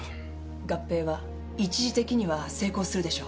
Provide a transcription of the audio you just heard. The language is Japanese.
合併は一時的には成功するでしょう。